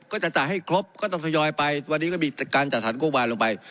ก็จะจ่ายให้ครบก็ต้องทยอยไปวันนี้ก็มีการจัดสรรงบประมาณลงไป